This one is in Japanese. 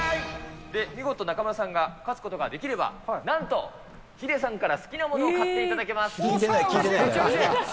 見事、中丸さんが勝つことができれば、なんと、ヒデさんから好きなものを買っていただけます。